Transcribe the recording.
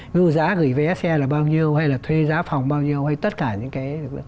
ví dụ giá gửi vé xe là bao nhiêu hay là thuê giá phòng bao nhiêu hay tất cả những cái